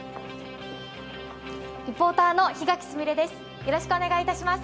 リポーターの檜垣すみれです